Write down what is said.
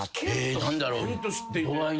何だろう？